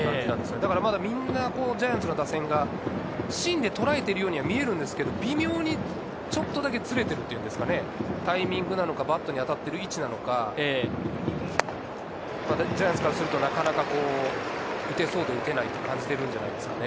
まだみんなジャイアンツの打線が芯でとらえているように見えるんですけれど、微妙にちょっとだけずれてるっていうんですか、タイミングなのか、バットに当たっている位置なのか、ジャイアンツからするとなかなか打てそうで打てないと感じてるんじゃないですか。